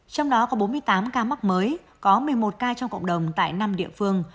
trong đó có bốn mươi tám ca mắc mới có một mươi một ca trong cộng đồng tại năm địa phương